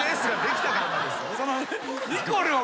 ニコルを。